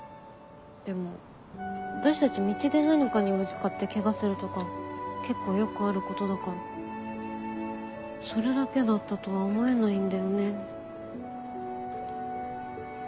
でも私たち道で何かにぶつかってケガするとか結構よくあることだからそれだけだったとは思えないんだよね。